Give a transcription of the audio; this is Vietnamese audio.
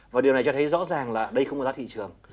và điều này cho thấy rõ ràng là đây không có giá thị trường